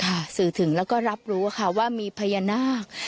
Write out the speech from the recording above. สื่อถึงแล้วก็รับรู้ค่ะว่ามีพญานาค